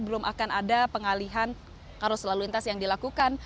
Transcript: belum akan ada pengalihan arus lalu lintas yang dilakukan